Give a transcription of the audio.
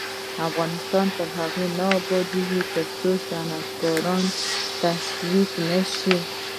افغانستان تر هغو نه ابادیږي، ترڅو صنعتکاران تشویق نشي.